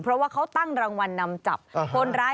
เพราะว่าเขาตั้งรางวัลนำจับคนร้าย